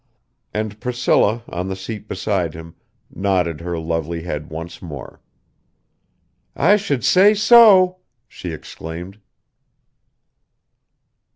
And Priscilla, on the seat beside him, nodded her lovely head once more. "I should say so," she exclaimed.